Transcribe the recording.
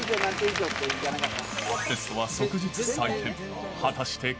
テストは即日採点。